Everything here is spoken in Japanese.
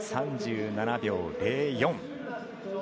３７秒０４。